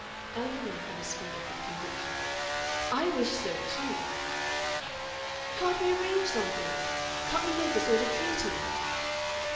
Ann Veronica responded with conviction: "I wish so, too." "Can't we arrange something? Can't we make a sort of treaty?"